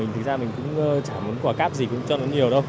thành ra mình cũng chả muốn quả cáp gì cũng cho nó nhiều đâu